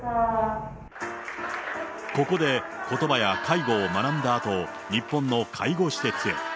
ここで、ことばや介護を学んだあと、日本の介護施設へ。